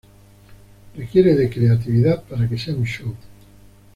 Requiere de creatividad para que sea un show.